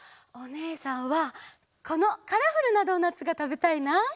おねえさんはこのカラフルなドーナツがたべたいな！